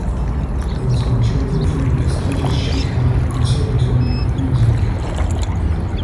He was graduated from the prestigious Shanghai Conservatory of Music.